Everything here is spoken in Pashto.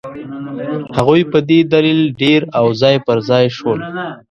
هغوی په دې دلیل ډېر او ځای پر ځای شول.